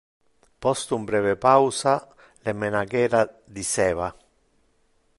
Post un breve pausa le menagera diceva: